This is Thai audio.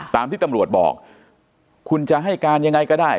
ตามที่ตำรวจบอกคุณจะให้การยังไงก็ได้